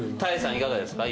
いかがですか？